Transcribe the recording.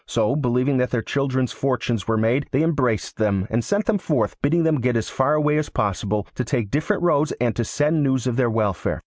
So, believing that their children's fortunes were made, they embraced them and sent them forth, bidding them get as far away as possible, to take different roads, and to send news of their welfare.